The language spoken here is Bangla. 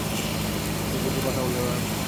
আপনাকে জোরে কথা বলতে হবে, ম্যাডাম।